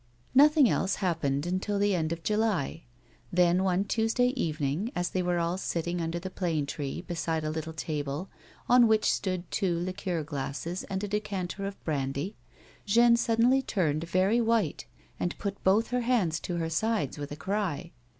Nothing else happened until the end of July. Then, one Tuesday evening, as they were all sitting under the plane tree beside a little table, on which stood two liqueur glasses and a decanter of brandy, Jeanne suddenly turned very white and put both her hands to her side with a cry.